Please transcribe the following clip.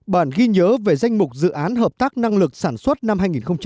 bản ghi nhớ về danh mục dự án hợp tác năng lực sản xuất năm hai nghìn hai mươi